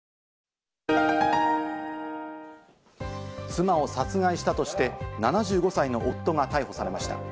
妻を殺害したとして７５歳の夫が逮捕されました。